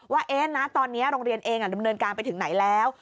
ว่าตอนนี้โรงเรียนเองดำเนินการไปถึงไหนแล้ว